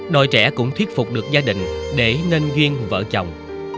đội trẻ cũng thuyết phục được gia đình để nên duyên vợ chồng